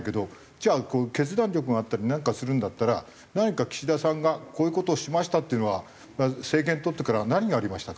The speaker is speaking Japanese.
じゃあ決断力があったりなんかするんだったら何か岸田さんがこういう事をしましたっていうのは政権取ってから何がありましたか？